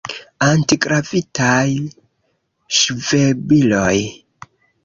Antigravitaj ŝvebiloj.